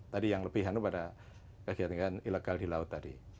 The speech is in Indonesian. tadi yang lebih hanu pada kegiatan kegiatan ilegal di laut tadi